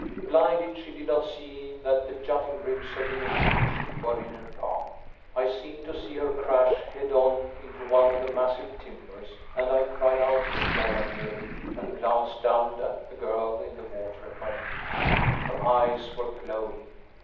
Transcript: Blinded, she did not see that the jutting ribs of the ancient ship were in her path. I seemed to see her crash, head on, into one of the massive timbers, and I cried out involuntarily, and glanced down at the girl in the water at my feet. Her eyes were glowing.